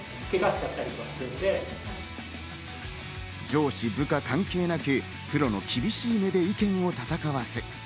上司・部下関係なくプロの厳しい目で意見を戦わす。